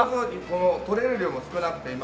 とれる量も少なくて今。